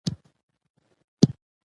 دا لار له هغې اوږده ده.